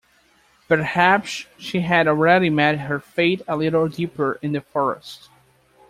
Perhaps she had already met her fate a little deeper in the forest.